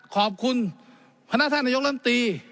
ขอบคุณพนักท่านนายกล้อมตี